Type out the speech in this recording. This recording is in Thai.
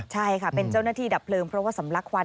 ใช่ค่ะเป็นเจ้าหน้าที่ดับเพลิงเพราะว่าสำลักควัน